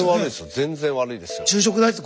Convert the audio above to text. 全然悪いですよ。